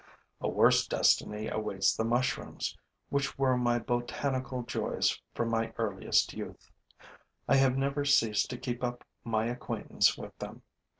A worse destiny awaits the mushrooms, which were my botanical joys from my earliest youth. I have never ceased to keep up my acquaintance with them.